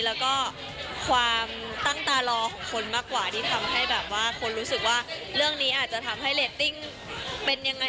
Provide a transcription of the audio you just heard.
แล้วก็ความตั้งตารอของคนมากกว่าที่ทำให้แบบว่าคนรู้สึกว่าเรื่องนี้อาจจะทำให้เรตติ้งเป็นยังไง